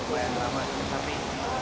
sate ayam dan sapi